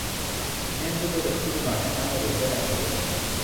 میندو به د خپلو ماشومانو روزنه کوله.